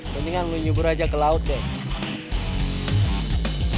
mendingan nyubur aja ke laut deh